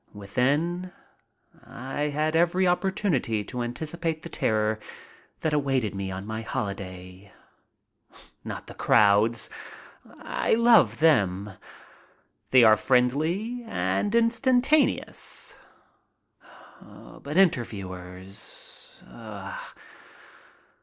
Within I had every opportunity to anticipate the terror that awaited me on my hoHday. Not the crowds. I love them. They are friendly and instantaneous. But interviewers!